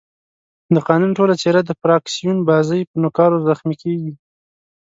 د قانون ټوله څېره د فراکسیون بازۍ په نوکارو زخمي کېږي.